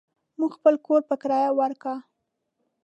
مو خپل کور په کريه وارکه.